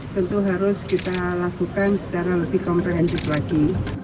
tentu harus kita lakukan secara lebih komprehensif lagi